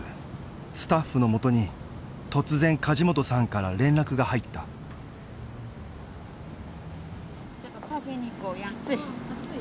スタッフのもとに突然梶本さんから連絡が入ったちょっと陰に行こうや暑い。